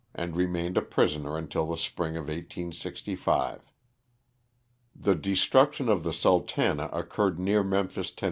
and remained a prisoner until the spring of 1865. The destruction of the ^'Sultana" occurred near Memphis, Tenn.